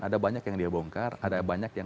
ada banyak yang dia bongkar ada banyak yang